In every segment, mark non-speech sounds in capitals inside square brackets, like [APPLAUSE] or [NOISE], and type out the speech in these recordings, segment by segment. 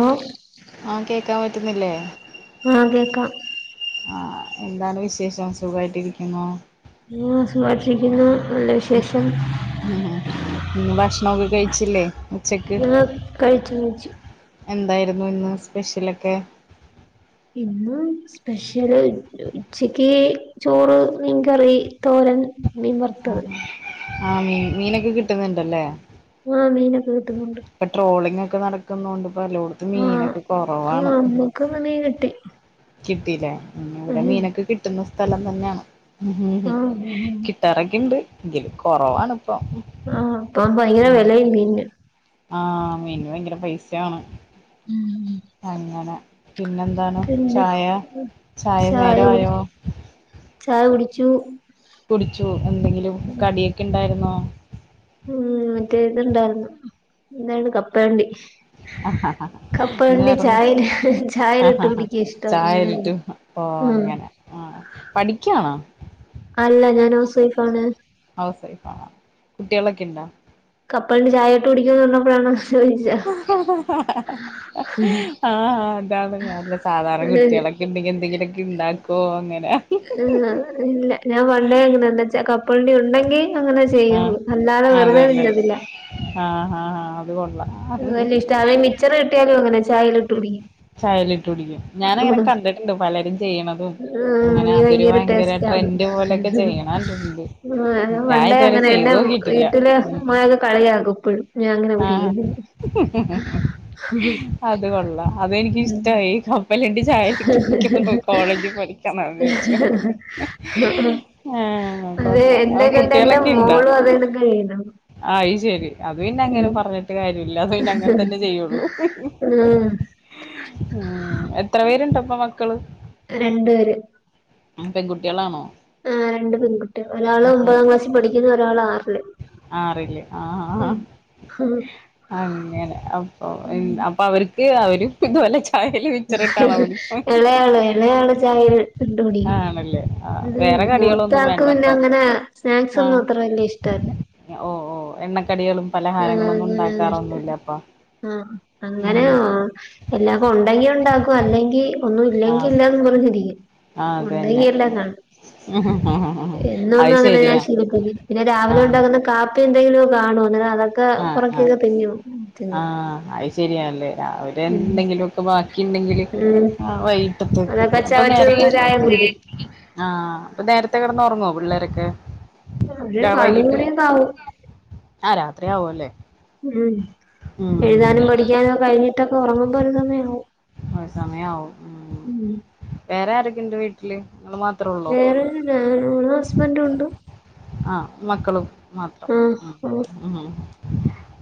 ഓ ആഹ് കേക്കാൻ പറ്റുന്നില്ലേ? ക്കാ ആ എന്താണ് വിശേഷം സുഖായിട്ടിരിക്കുന്നോ? ആ സുഖായിട്ടിരിക്കുന്നു നല്ല [INAUDIBLE] വിശേഷം ഹ്മ്മ്, ഇന്ന് ഭക്ഷണൊക്കെ കഴിച്ചില്ലേ ഉച്ചക്ക്, ഞങ്ങൾ കഴിച്ചു കഴിച്ചു എന്തായിരുന്നു ഇന്ന് സ്പെഷ്യൽ ക്കെ ഇന്ന് സ്പെഷ്യല് ഉച്ചക്ക് ചോറ്, മീൻകറി, തോരൻ- മീൻ വർത്തത്. ആ മീൻ മീനൊക്കെ കിട്ടുന്ന്ണ്ടല്ലേ? ആ മീനോക്കെ കി പ്പ ട്രോളിങ്ങോ ക്കെ നടക്കുന്നകൊണ്ടും പലോടത്ത് ആ മീനൊക്കെ ആ കൊറവാണ് നമ്മുക്കിന്ന് മീൻ കിട്ടി കിട്ടില്ലേ മ് ഇവിടെ ഉം മീനൊക്കെ കിട്ടുന്നു സ്ഥലം തന്നെയാണ് മ് ആ കിട്ടാറൊക്കെയുണ്ട് ങ്കിലും കൊറവാണ് ആ പ ഭയങ്കര വെലയാ മീന് ആ മീന് ഭയങ്കര പൈസയാണ് ഉം അങ്ങനെ പിന്നെന്താണ് പിന്നെ ചായ ചായ നേരം ആയോ ചായ കുടിച്ചു കുടിച്ചോ എന്തെങ്കിലും കടിയൊക്കെ ഒ ണ്ടാരുന്നോ ഉം മറ്റേ ഇതുണ്ടാരുന്നു എന്താണ് കപ്പലണ്ടി ന്നെ കപ്പലണ്ടി വേറെന്താ ചായൽ ചായലിട്ട് കുടിക്കാ ഇഷ്ടം അങ്ങനെ ചായെലിട്ടു കുടി ഓ ഉം അങ്ങനെ ആ പഠിക്കാണോ അല്ല ഞാൻ ഹൗസ് വൈഫാണ് ഹൗസ് വൈഫ് ആ കുട്ടികളൊക്കെണ്ടോ കപ്പലണ്ടി ചായെയിട്ട് കുടിക്കന്ന് പറഞ്ഞപ്പോഴാണോ ചോദിച്ചേ ആ ആ ഇതാണ് ഞാനല്ല സാധാരണ കുട്ടികളൊക്കെ ഇണ്ടെങ്കിൽ എന്തെങ്കിലുക്കെ ഇണ്ടാക്കോ ങ്ങനെ ആ ഇല്ല ഞാൻ വണ്ടേ അങ്ങനനെച്ചക കപ്പലണ്ടി ഒണ്ടെങ്കി ആ അതെല്ലേ ആ ആ അത്കൊള്ളാം ത് വലിയ ഇഷ്ട്ടാണ് മിച്ചറ് ഒക്കെയായാലും അങ്ങനനെ ചായെലിട്ടു കുടിക്കും ചായെലിട്ട് കുടിക്കും ഞാനങ്ങനെ ആഹ് കണ്ടിട്ടുണ്ട് പലരും ചെയ്യണതും ആഹ് അങ്ങനെ നീ അതൊരു ഭയങ്കര ടേസ്റ്റാന്ന് ട്രെൻഡ് പോലെയൊക്കെ ചെയ്യണകണ്ടിട്ടുണ്ട് ആഹ് ഞാൻ ഞാ പണ്ടേ ഇതുവരെ അങ്ങനെ ചെയ്ത് എന്നെ നോക്കിട്ടില്ല വീട്ടില് മ് ഉമ്മയൊക്കെ കളിയാക്കും ഇപ്പഴും ഞാൻ അങ്ങനെ ആ കുടിക്കുന്നില്ല അത് കൊള്ളാം അതെനിക്കിഷ്ട്ടായി ക പ്പം കെട്ടിച്ചയച്ചിട്ട് [UNINTELLIGIBLE] കോളേജിൽ പഠിക്കാനന്ന് [UNINTELLIGIBLE] ആ അതെ കൊള്ളം എന്റെ കണ്ട എന്റെ കുട്ടികളൊക്കെ ഇണ്ടാ മോളും അതണക്ക് ചെയ്യണം അഹ് ശരി അത് പിന്നെ അങ്ങനെ ഉം പറഞ്ഞിട്ട് കാര്യമി ഉം ഉം എത്ര പേരുണ്ടപ്പൊ മക്കള് രണ്ട് പേര് പെൺകുട്ടേളാണോ ആ രണ്ട് പെൺകുട്ടി ഒരാള് ഒമ്പതാം ക്ലാസ്സി പഠിക്കുന്നു ഒരാള് ആറില് ആറില് ആഹ് ആഹ് ഉം ഈ ആവരും ഇത് പോലെജ് എളയാള് എളയാള് ഛായേൽ ഇട്ട്‌ കുടിക്കും ആണല്ലേ ആ മ്മ് വേറെ കടികളൊന്നും മൂത്താക്ക് പിന്നെ വേണ്ടപ്പൊ അങ്ങനെ ആ സ്നാക്സൊന്നും അത്ര വല്യ ഇഷ്ടല്ല ഓ ഓ എണ്ണക്കടികളും പലഹാരങ്ങളൊന്നും ആഅങ്ങനെ ഒന്നും ഉണ്ടാക്കാറൊന്നുല്ല ഇഷ്ടല്ല അപ്പൊ ആഅങ്ങനെ ഉം എല്ലാം കൊൺ ണ്ടെങ്കി ഒണ്ടാക്കു അല്ലെങ്കി ഒന്നും ആ ഇല്ലെങ്കി ഇല്ലാന്ന് പറഞ്ഞിരിക്കും. ആ ഉണ്ടെങ്കി അതന്നെ എല്ലാം കാണും അത് എന്നൊന്നും അങ്ങനെ ഞാൻ ശരിയാ ശീലിപ്പി പിന്നെ ആ രാവിലെ ഉണ്ടാകുന്ന കാപ് [UNINTELLIGIBLE] എന്തെങ്കിലും കാണും [UNINTELLIGIBLE] ആ ആ പൊറക്കിയൊക്കെ തിന്നും ആ തിന്നും അത് ശരിയാല്ലേ അവര് എന്തെങ്കിലും ഒക്കെ ബാക്കി ഉണ്ടെങ്കില് ഉം ആഹ് വൈകിട്ടത്തേക്കെക്ക അതൊക്കെ അപ്പ ചവച്ച് നേരത്തെ തിന്ന് ചായ കുടിക്കും ആ അപ്പ നേരത്തെ കിടന്ന് ഉറങ്ങോ കു പിള്ളേരെക്കെ? ഒര് പതിനൊന്ന് മണിയൊക്കെ ആവും ആ രാത്രിയാവും അല്ലേ ഉം ഉം എഴുതാനും പഠിക്കാനും കഴിഞ്ഞിട്ട ഉറങ്ങുമ്പോ ഒര് സമയാവും ഒര് സമയാവും ഉം വേറെ ആരെ [UNINTELLIGIBLE] വീട്ടില്? നിങ്ങള് മാത്രേ ഉള്ളോ വേറെ ആരൂല്ല ഞാനു മോളും ഹസ്ബന്റും ഉണ്ട് ആഹ് മക്കളും മാത്രം ആഹ് ഉം ആഹ് മ്ഹ്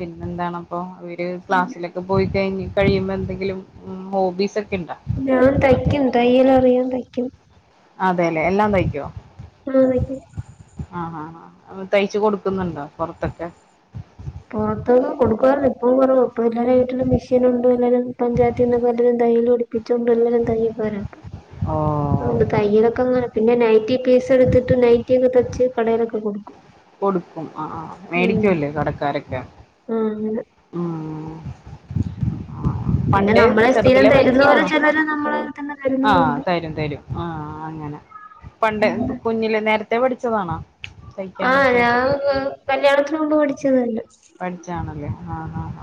പിന്നെന്താണപ്പൊ വീ [UNINTELLIGIBLE] ക്ലാസ്സിലൊക്കെ പോയി കഴിഞ്ഞ് കഴിയുമ്പോ എന്തെങ്കിലും ഉം ഹോബീസ് ഇണ്ടാ ഞാൻ തയ്ക്കും തയ്യലറിയാം തയ് ക്കും അതെ ലേ എല്ലാം തയ്ക്കോ? ആ തയ്ക്കും ആ ആ ആ തയ്ച്ച് കൊടുക്കുന്നുണ്ടോ പൊറത്തൊക്കെ പൊറത്തൊക്കെ കൊടുക്കുവാരുന്നു ഇപ്പൊ കൊറവാ ഇപ്പൊ എല്ലാരേം വീട്ടിലും മെഷീനോണ്ട് എല്ലാരേം പഞ്ചായത്തിന്നൊക്കെ എല്ലാരും തയ്യല് പഠിപ്പിച്ചോണ്ട് എല്ലാരും തയ്യക്കാര പ്പം ഓ അതുകൊണ്ട് തയ്യലൊക്കെ അങ്ങന പിന്നെ നൈറ്റി പീസ് എടുത്തിട്ട് നൈറ്റി ക്കെ തച്ച് കടയിലൊക്കെ കൊടുക്കും കൊടുക്കും ആ ആ ഉം മേടിക്കുംല്ലേ കടക്കാരൊക്കെ ആ അങ്ങനെ ഉം പിന്നെ പണ്ട് നമ്മളെ സ്ഥിരം ചെറുതലെ തരുന്നോര് പഠിച്ചതാണോ ചിലര് നമ്മളെ തന്നെ ആ തരുന്നവരുണ്ട് തരും തരും ആ അങ്ങനെ പണ്ട് കുഞ്ഞില് നേരത്തെ പഠി ച്ചതാണോ തയ് ആഹ് ഞാൻ കല്യാണത്തിന് മുമ്പ് പഠിച്ചത് തന്നെ പഠിച്ചാണല്ലേ ആ ആ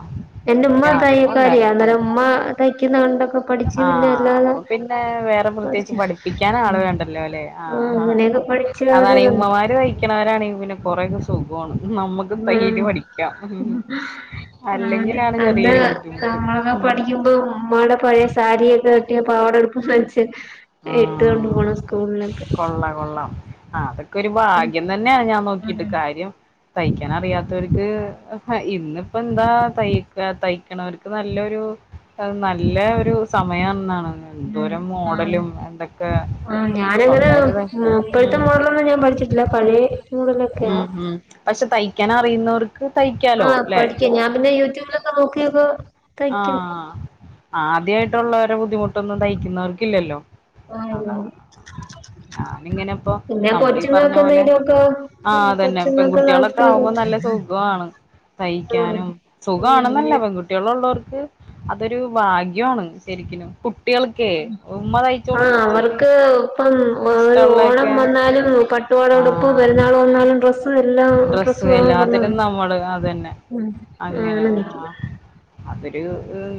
എന്റെ ഉമ്മ എനിക്ക് തയ്യക്കാരിയാ ആഗ്രഹവൊണ്ടാരുന്നു അന്നേരം പഠിക്കാൻ ഉമ്മ തയ്ക്കുന്ന കണ്ടൊക്കെ പഠിച്ച് ആ പിന്നെ അല്ലാതെ അപ്പൊ പിന്നെ വേറെ പഠിച്ച പ്രത്യേകിച്ച് പഠിപ്പിക്കാൻ ആള് വേണ്ടല്ലോലെ ആ ആ അങ്ങനെയൊക്കെ പഠിച്ച അതാണെ ഒരിതുണ്ട് ഉമ്മമാര് തൈക്കണവരാണെ പിന്നെ കൊറെക്കെ സുക് വാണ് നമ്മക്ക് തയ്യല് പഠി ആ അതാ ചെറിയൊരു ബുദ്ധിമുട്ട് നമ്മളൊക്കെ ഉം പഠിക്കുമ്പോ ഉമ്മടെ പഴയ സാരിയൊക്കെ കെട്ടിയ പാവാട [UNINTELLIGIBLE] ഇട്ട് കൊണ്ട് ഉം പോണം സ്കൂളിലൊക്കെ കൊള്ളാം കൊള്ളാം ആ അതൊക്കെ ഒരു ഭാഗ്യം തന്നെയ ഞാൻ നോക്കിട്ട് കാര്യം തയ്ക്കാനറിയാത്തവർക്ക് ഇന്നിപ്പ എന്താ തയ്ക്ക തയ്ക്കണവർക്ക് നല്ലരു നല്ല ഒരു സമയെന്നാണ് എന്തോരം മോഡലും ആ ഞാനങ്ങനെ സ്വന്തായിട്ട് തയ് ഉം ഇപ്പഴത്തെ മോഡലൊന്നും ഞാൻ പഠിച്ചിട്ടില്ല പഴ ഉം ഉം പക്ഷെ തയ്ക്കാന ഐനൂറ് ആ പഠിക്കേ ഞാൻ പിന്നെ യൂട്യൂബിലൊക്കെ നോ ക്കിപ്പോ ആ ആ ആദ്യമായിട്ടുള്ളവരെ ബുദ്ധിമുട്ടൊന്നും തയ്ക്കുന്നവർക്കില്ലല്ലോ ആഹ് അത ഞാനിങ്ങനെ ഇപ്പൊ പിന്നെ നമ്മള് ഈ പറഞ്ഞ കൊച്ചുങ്ങൾക്ക് പോലെ എന്തെങ്കിലുമൊക്കെ ആ അതന്നെ കൊച്ചുങ്ങൾക്കുള്ള പെൺകുട്ടികളൊക്കെ ആവശ്യത്തിനൊക്കെ ആകുമ്പോ നല്ല സുഖമാണ് ആഹ് തയ്ക്കാനും ആഹ് സുഖമാണെന്നല്ല അങ്ങനെ പെൺകുട്ടികള് ഉള്ളവ അതൊരു ഭാഗ്യമാണ് ശരിക്കിനും കുട്ടികൾക്കേ ഉമ്മ തയ്ച്ചു ആ കൊടുക്കുമ്പോ ഒരു അവർക്ക് ഇപ്പം ഒരു ഓണം ഇഷ്ടമുള്ളൊക്കെ വന്നാലും പട്ടുപാവാട ഉടുപ്പ് ആഹ് പെരുന്നാൾ വന്നാലും ഡ്രസ്സ് എല്ലാം ഡ്രസ്സ് വേണം പറഞ്ഞ് എല്ലാത്തിരും നമ്മള് അതന്നെ ഉം അങ്ങനെ ആഹ് ഓ അവര്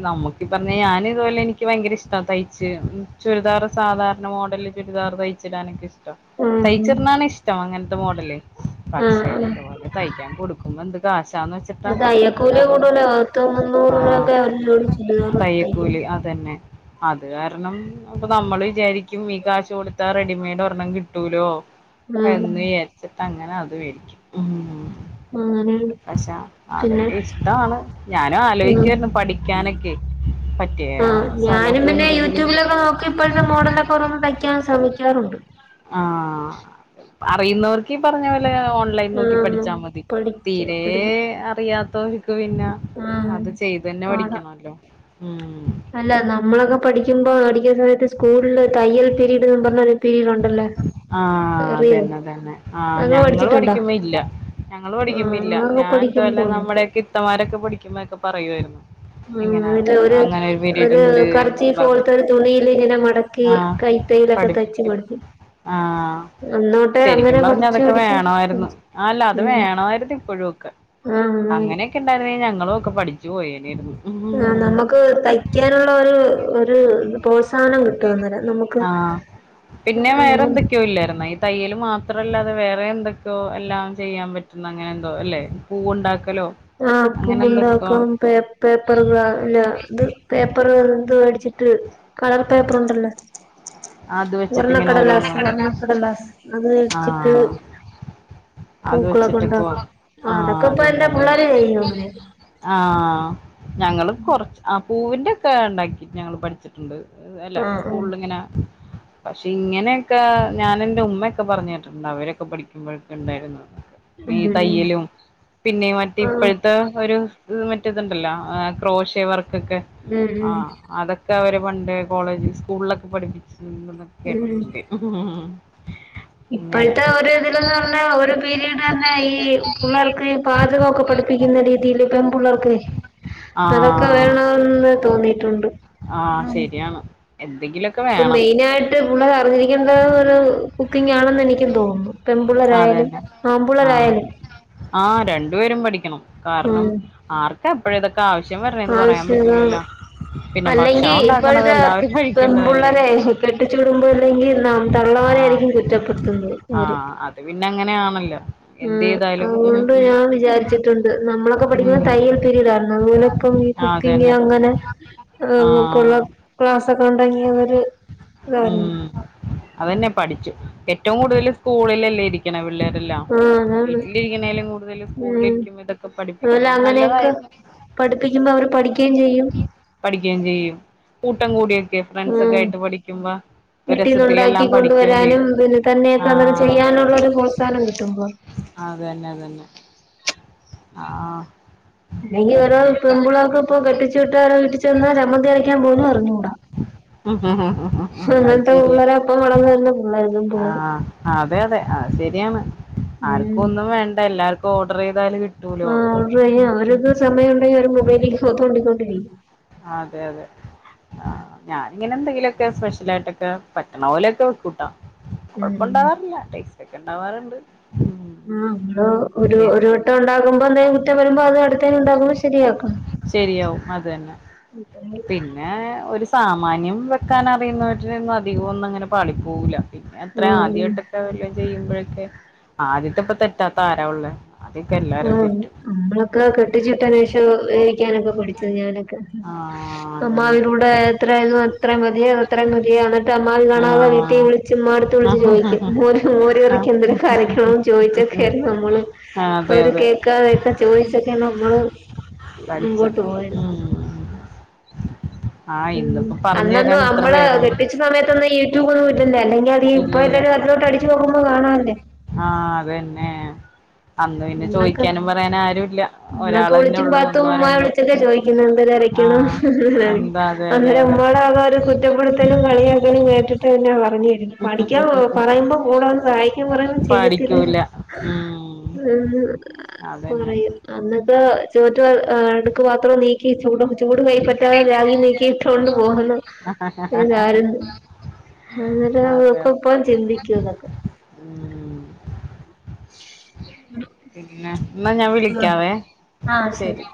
നമുക്കി പർഞ്ഞെ ഞാനിതോലെ എനിക്ക് ഭയങ്കര ഇഷ്ട തയ്ച്ച് ചുരിദാർ സാധാരണ മോഡല ചുരിദാർ തയ്ച്ചിടാനൊക്കെ ഷ്ട്ടം ഉം തയ്ച്ചിട്ണാണ് ഇഷ്ടം അങ്ങൻ മോഡല് ആഹ് പക്ഷെ ആഹ് ഇതുപോലെ തയ്ക്കാൻ കൊടുക്കുമ്പോ ന്ത ഗാസ് തയ്യക്കൂലി കൂടുലോ പത്ത് മുന്നൂറ് ആഹ് രൂപൊക്കെ തയ്യക്കൂലി [UNINTELLIGIBLE] അതന്നെ അത് കാരണം ഇപ്പ നമ്മള് വിചാരിക്കും ഈ കാശ് കൊടുത്താ റെഡിമെയ്ഡ് ഒരെണ്ണം കിട്ടൂലോ ആഹ് എന്ന് ചാരിച് അങ്ങനെ അ ത് മേടിക്കും മ് അങ്ങനെയാണ് പക്ഷെ പിന്നെ അതൊക്കെ ഇഷ്ടമാണ് ഞാനും ഉം ആലോയിക്കേർന്നു പഠിക്കാനൊക്കെ പറ്റിയ ആഹ് ഞാനും സ്ഥലൊക്കെ പിന്നെ ണ്ടെങ്കില് യൂട്യൂബിലൊക്കെ നോക്കി ചെയ്യാറുണ്ട് ആ അറിയുന്നവർക്ക് ഈ പറഞ്ഞപോലെ ക്ക് ഓൺലൈൻ നോക്കി ആഹ് പഠിച്ചാ മതി പഠിച്ച് തീരെ എടുക്ക അറിയാത്തോര് ര്ക്ക് പിന്നെ ആഹ് അത് ചെയ്ത് തന്നെ പാടാ പഠിക്കണല്ലോ മ് അല്ല നമ്മളൊക്കെ പഠിക്കുമ്പോ പഠിക്കുന്ന സമയത്ത് സ്കൂളില് തയ്യൽ പിരീഡന്നും പറഞ്ഞ ഒര്ത് ആ അതന്നെ അതന്നെ ആ അത് ഞങ്ങൾ പഠിച്ചിട്ടുണ്ടോ പഠിക്കുമ്പോ ഇല്ല ഞങ്ങള് പഠിക്കുമ്പ ആഹ് ഇല്ല ഞങ്ങളൊക്കെ ഞാൻ ഇതേ പോലെ പഠിക്കുമ്പോ ഉണ്ട് നമ്മുടെയൊക്കെ ഇത്തമാരൊക്കെ പഠിക്കുമ്പോക്കെ പറയുയി രുന്നു ഉ അല്ല ഒരു ഉണ്ട് എന്നും കർച്ചീഫ് പോലത്തെ പറഞ്ഞിട്ട് ഒരു തുണിൽ ഇങ്ങനെ മടക്കി കൈത്തൈയിലൊക്കെ തയ്ച്ച് ആ ശെരിക്കും അങ്ങനെ പറഞ്ഞ പഠിച്ചു അതൊക്കെ പഠിച്ചു വേണായിരുന്നു പഠിച്ചു അല്ല അത് ഉം വേണമായിരുന്നു ഇപ്പോഴും ഒക്കെ ആഹ് അതാണ് അങ്ങനെയൊക്കെ ഇണ്ടായിരുന്ന ഞങ്ങളും ഒക്കെ പഠിച്ചു പോയേനേര്ന്നു ആ നമ്മക്ക് തയ്ക്കാനുള്ള ഒര് ഒര് പോത് ആ പിന്നെ വേറെ അങ്ങനെ എന്തൊക്കെയോ ഇല്ലായിരുനോ ഈ തയ്യൽ മാത്രല്ലാ അത് വേറെ എന്തൊക്കെയോ എല്ലാം ചെയ്യാൻ പറ്റുന്ന അങ്ങനെ എന്തോ അല്ലെ പൂവ് ണ്ടാക്ക ആ അപ്പ ഉണ്ടാക്കാം പ പേപ്പറാല്ലത് പ്പർ മേടിച്ചിട്ട് കളർപേപ്പറുണ്ടല്ലോ അത് വെച്ചിട്ട് ഇങ്ങനെ ഓരോന്ന് വർണ്ണക്കടലാസ് വർണ്ണക്കടലാസ് അത് അടിച്ചിട്ട് ആഹ് അത് വെച്ചിട്ട്പ്പോ ആഹ് ഇപ്പൊ അതന്നെ എന്റെ അതന്നെ പിള്ളേര് ചെയ്യും അങ്ങനെയൊക്കെ ആഹ് ഞങ്ങള് കൊറച്ച് അപ് പൂവിന്റെ ഒക്കെ ഉണ്ടാക്കി ഞങ്ങള് പഠിച്ചിട്ട്ണ്ട് അല്ല ആഹ് ആഹ് ആഹ് സ്കൂളില് ങ്ങനെ പക്ഷെ ഇങ്ങനെക്കെ ഞാൻ എന്റെ ഉമ്മക്കെ പറഞ്ഞ കേട്ടിട്ട്ണ്ട് അവരൊക്കെ പഠിക്കുമ്പോഴൊക്കെ ഉണ്ടായി ര്ന്നൂന്ന് ആഹ് ഈ ഉം തയ്യലും പിന്നെ മറ്റേ ഇപ്പോഴത്തെ ഒര് മറ്റേതുണ്ടല്ലോ ക്രോഷേ വർക്ക്‌ തൊക്കെ ഉം അതൊക്കെ അവരെ പണ്ട് കോളേജ് സ്കൂളിലൊക്കെ പഠിപ്പിച്ച് [UNINTELLIGIBLE] ഉം കേട്ടിട്ടുണ്ട് ഇങ്ങനെ ഇപ്പോഴത്തെ ഒരു ഇതിലന്ന് പറഞ്ഞ ഒരു പിരീഡന്നെ ഈ പുള്ളേർക്ക് പാചകമൊക്കെ പഠിപ്പിക്കുന്ന രീതിയില് പെൺപുള്ളേർക്കെ അതൊക്കെ വേണെന്ന് തോന്നിയിട്ടുണ്ട് ആ ഉം ശരിയാണ് എന്തെങ്കിലുമൊക്കെ ഇപ്പൊ വേണം മെയിനായിട്ട് പുള്ള അറിഞ്ഞിരിക്കേണ്ട ഒരു കുക്കിംഗ് ആണെന്ന് എനിക്കും തോന്നുന്നു പെൺപിള്ളേരായാലും അതന്നെ ആ ആമ്പിള്ളേരായാലും ആ രണ്ടു പേരും പഠിക്കണം കാരണം ആർക്കപ് [UNINTELLIGIBLE] ആവശ്യം അതാണ്. പിന്നെ അല്ലെങ്കി ഭക്ഷണം ഉണ്ടാക്കണത് ഇപ്പോഴത്തെ എല്ലാവരും കഴിക്കേണ്ടതല്ലേ പെമ്പുള്ളരെ കെട്ടിച്ചു വിടുമ്പോ അല്ലെങ്കി ന ആഹ് തള്ളവരെയായിരിക്കും കുറ്റപ്പെടുത്തുന്നത് അവര് ആഹ് അത് പിന്നെ അങ്ങനെയാണല്ലോ എന്ത് ഉം ചെയ്താലും ഉം അതുകൊണ്ട് ഉം ഞാൻ വിചാരിച്ചിട്ടുണ്ട് നമ്മളൊക്കെ ഉം പഠിക്കുമ്പോ തയ്യൽ പിരീഡായിരുന്നു അതുപോലെ ഇപ്പൊ ഈ കുക്കിംഗ് അതന്നെ അങ്ങനെ ആഹ് [UNINTELLIGIBLE] ക്ലാ [UNINTELLIGIBLE] ഉം അതെന്നെ പഠിച്ചു. ടെക് റ്റവും കൂടുതൽ സ്കൂളിലല്ല ഇരിക്കണേ പി പിള്ളേരെല്ലാം ആഹ് അതാണ് വീട്ടിലിരിക്കണേലും കൂടുതല് ഉം സ്കൂളിലിരിക്കുമ്പേ ഇതൊക്കെ അതുപോലെ പഠിപ്പിക്കുന്നത് അങ്ങനെയൊക്കെ നല്ലതായിരുന്നു. പഠിപ്പിക്കുമ്പോ അവര് പഠിക്കുകയും ചെയ്യും പഠിക്കയും ചെയ്യും കൂട്ടം കൂടിയി ഫ്രണ്ട്സ് ഒക്കെ ഉം ആയിട്ട് പഠിക്കുമ്പോ ഒരു വീട്ടീന്ന് ഉണ്ടാക്കി രസത്തിലെല്ലാം പഠിക്കുകയും കൊണ്ടുവരാനും ചെയ്യും. പിന്നെ ആ തന്നെയൊക്കെ അങ്ങനെ ചെയ്യാനുള്ള ഒരു പ്രോത്സാഹനം കിട്ടുമ്പോ അതന്നെ അതന്നെ ആ അല്ലെങ്കിൽ ഓരോ പെമ്പിള്ളേർക്ക് ഇപ്പൊ കെട്ടിച്ചു വിട്ടാ ഓരോ വീട്ടിച്ചെന്നാ ചമ്മന്തി അരക്കാൻ പോലും അറിഞ്ഞുകൂടാ. അത് അങ്ങനത്തെ ശരിയാ പള്ളരാ ഇപ്പ വളന്നു വരുന്ന പിള്ളേര് പെൺപിള്ളേര് ആഹ അതെ അതെ അത് ശരിയാണ് ഉം ഇപ്പൊ ഓർഡർ ചെയ്താല് കി ആ ഓർഡർ ചെയ്യോ. അവരക്ക് സമയം ഉണ്ടെങ്കി അവര് മൊബൈലിലേക്ക് തോണ്ടിക്കൊണ്ടിരിക്കും. അതെ അതെ ആ ഞാനിങ്ങനെ എന്തെങ്കിലും ഒക്കെ സ്പെഷ്യലായിട്ടൊക്കെ പറ്റണ പോലെയൊക്കെ വെക്കൂട്ടാ. ഉം കുഴപ്പണ്ടാവാറില്ല ടേസ് റ്റൊക്കെ ഉണ്ടാവാറുണ്ട്. ഉം ആ നമ്മള് ഒരു ഏഹ് ഒരു വട്ടം ഉണ്ടാക്കുമ്പോ എന്തേലും കുറ്റം വരുമ്പോ അത് അടുത്തേന് ഉണ്ടാക്കുമ്പോ ശരിയാക്കാം. ശരിയാവും അത് തന്നെ പിന്നെ ഒരു സ് പാം മാന്യം വെക്കാനറിയുന്നോര് രെങ്ങും അധികൊന്നങ്ങനെ പാളി പോവൂല്ല പിന്നെ എത്ര ഉം ആദ്യായിട്ടൊക്കെ വല്ലോം ചെയ്യുമ്പോഴൊക്കെ ആദ്യത്തെപ്പ തെറ്റാത്ത ആരാ ഒള്ളേ ആ നമ്മളൊക്കെ കെട്ടിച്ചിട്ടന് ശേഷം വേവിക്കാനൊക്കെ പടിച്ചു ഞാനൊക്കെ ആഹ് അതന്നെ അമ്മാവിലൂടെ എത്രയരുന്നു അത്രയും മതിയ അത് അത്രയും മതിയ എന്നിട്ട് അന്നാരുംകാണാതെ ആഹ് വീട്ടിൽ വിളച്ച് ഉമ്മാ അടുത്ത് വിളിച്ച് ചോദിക്കും ആഹ് ഓരോർക്ക് എന്തൊ കാര്യക്കോ ചോദിച്ചൊക്കെ ആരുന്നു നമ്മള് ആഹ് അതെ അവര് അതെ കേക്കതെയൊക്കെ ചോയിച്ചക്കെയാണ് നമ്മള് പഠിച്ചത് മുമ്പോട്ട് പോയത് ഉം ആഹ് ഉം ഇന്നിപ്പോ പറഞ്ഞു അന്നൊന്നും തരാൻ എത്ര നമ്മള് പേരാണ് കെട്ടിച്ച സമയത്തൊന്നും യൂട്യൂബ് ഒന്നും ഇല്ലല്ലേ അല്ലെങ്കി അത് ഇപ്പ ഇല്ലില്ല എല്ലാവരും അതിലോട്ട് അടിച്ചുനോ ക്കുമ്പോ കാണാല്ലേ ആഹ് അത് തന്നെ അന്ന് പിന്നെ ചോദിക്കാനും പറയാനും ആരുമില്ല എന്നൊക്കെ ഒളിച്ചും പാത്തും ഉമ്മാ വിളിച്ചൊക്കെ ചോദിക്കുന്ന എന്തരയ്ക്കണം ആഹ് എന്താ അതെ അതെ അന്നേരം അതെ ഉമമ്മയുടെ ഒരു കുറ്റപ്പെടുത്തലും കളിയാക്കലും കേട്ടിട്ട് ധവാം [UNINTELLIGIBLE] പ പഠിക്കാൻ പറയുമ്പോ കൂടാ സഹായിക്കാൻ പറയുമ്പോ ചെയ്യത്തില്ല പഠിക്കൂല ഉം അതന്നെ പറയ അത് ചോറ്റ അടുക്ക് പാത്രം നീക്കി ഇച്ചൂ [UNINTELLIGIBLE] ചൂട് കൈപ്പറ്റാതെ ബാഗി നീക്കിയിട്ടൊണ്ട് പോകുന്നു ഒരു കാലത്ത് അന്നേരം അതെ നക്കെ ഇപ്പം ചിന്തിക്കൂ ഇതൊക്ക മം പി പിന്നെ എന്നാ ഞാൻ ഉം വിളിക്കാവേ ശരി